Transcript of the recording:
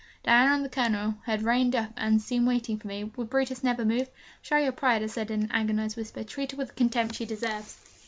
Diana and the Colonel had reined up and seemed waiting for me would Brutus never move? 'Show your pride,' I said in an agonised whisper, 'Treat her with the contempt she deserves!'